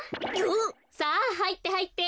さあはいってはいって。